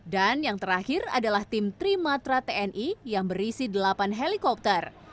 dan yang terakhir adalah tim trimatra tni yang berisi delapan helikopter